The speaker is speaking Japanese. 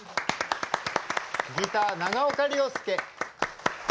ギター長岡亮介。